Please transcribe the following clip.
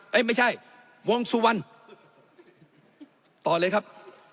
ไม่ใช่วงสุวรรณต่อเลยครับ